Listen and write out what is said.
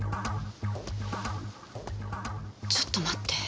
ちょっと待って。